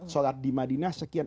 sholat di madinah sekian